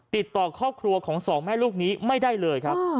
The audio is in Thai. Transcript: ติดต่อครอบครัวของสองแม่ลูกนี้ไม่ได้เลยครับ